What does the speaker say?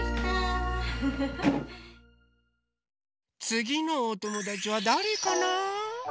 つぎのおともだちはだれかな？